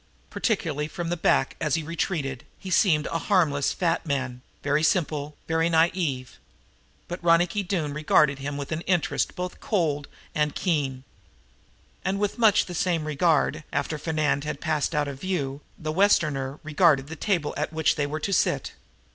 Particularly from the back, as he retreated, he seemed a harmless fat man, very simple, very naive. But Ronicky Doone regarded him with an interest both cold and keen. And, with much the same regard, after Fernand had passed out of view, the Westerner regarded the table at which they were to sit.